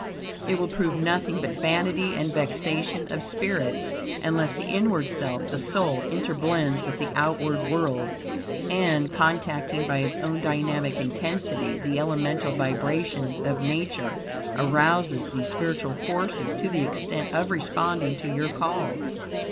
It will prove nothing but vanity and vexation of spirit unless the inward self, the soul, interblends with the outward Word, and contacting by its own dynamic intensity the elemental vibrations of Nature arouses these spiritual forces to the extent of responding to your call.